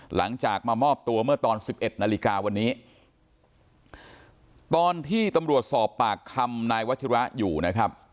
หลังจากมามอบตัวเมื่อตอนสิบเอ็ดนาฬิกาวันนี้ตอนที่ตำรวจสอบปากคำนายวัชิระอยู่นะครับ